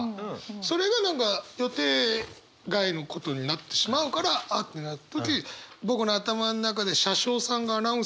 それが何か予定外のことになってしまうから「あっ！」ってなる時僕の頭の中で車掌さんがアナウンスすんの。